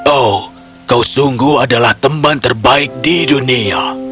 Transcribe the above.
oh kau sungguh adalah teman terbaik di dunia